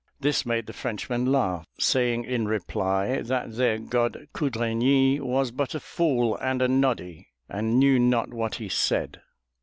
This made the Frenchmen laugh, saying in reply that their god Cudraigny was but a fool and a noddy and knew not what he said.